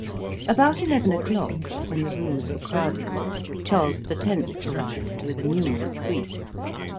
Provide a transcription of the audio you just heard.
About eleven o'clock, when the rooms were crowded, Charles X. arrived, with a numerous suite.